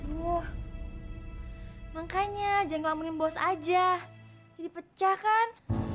bu makanya jangan menimbas aja jadi pecahkan